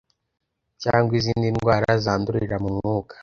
cg izindi ndwara zandurira mu mwuka.